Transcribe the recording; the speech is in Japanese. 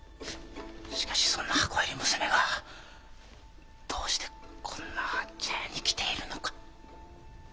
しかしそんな箱入り娘がどうしてこんな茶屋に来ているのか？